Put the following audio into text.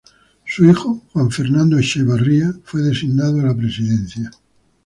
Su hijo Juan Fernando Echeverría fue designado a la Presidencia.